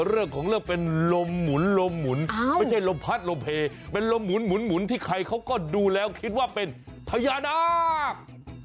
เรื่องของเรื่องเป็นลมหมุนลมหมุนไม่ใช่ลมพัดลมเพลเป็นลมหมุนที่ใครเขาก็ดูแล้วคิดว่าเป็นพญานาค